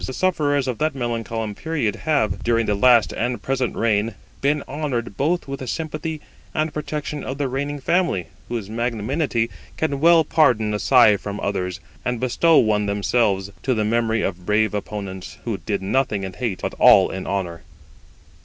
The sufferers of that melancholy period have, during the last and present reign, been honoured both with the sympathy and protection of the reigning family, whose magnanimity can well pardon a sigh from others, and bestow one themselves, to the memory of brave opponents, who did nothing in hate, but all in honour.